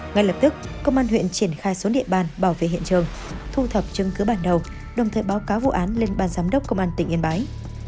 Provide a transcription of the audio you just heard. ngay lập tức công an huyện triển khai xuống địa bàn bảo vệ hiện trường thu thập chứng cứ bản đồng thời báo cáo vụ án lên ban giám đốc công an tỉnh yên bái